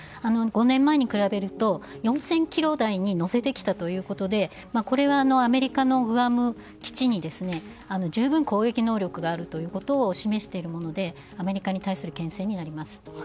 ５年前に比べると４０００ｋｍ台にのせてきたということでこれはアメリカのグアム基地に十分攻撃能力があるということを示しているものでアメリカに対する牽制になります。